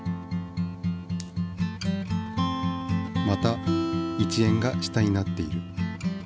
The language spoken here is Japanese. また１円が下になっている。